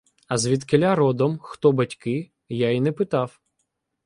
А звідкіля родом, хто батьки, я й не питав.